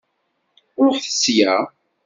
Ṛuḥet sya!